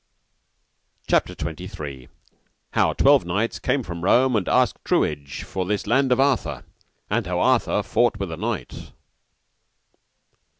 CHAPTER XXIII. How twelve knights came from Rome and asked truage for this land of Arthur, and how Arthur fought with a knight.